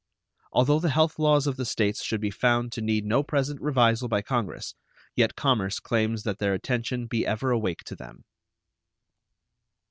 Although the health laws of the States should be found to need no present revisal by Congress, yet commerce claims that their attention be ever awake to them.